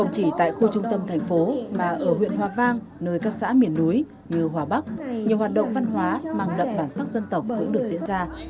chỉ tại khu trung tâm thành phố mà ở huyện hòa vang nơi các xã miền núi như hòa bắc nhiều hoạt động văn hóa mang đậm bản sắc dân tộc cũng được diễn ra